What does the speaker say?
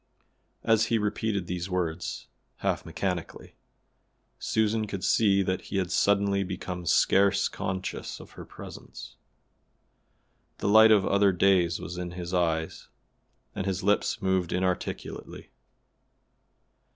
As he repeated these words, half mechanically, Susan could see that he had suddenly become scarce conscious of her presence. The light of other days was in his eye and his lips moved inarticulately.